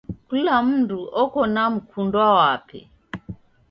Kula mndu oko na mkundwa wape.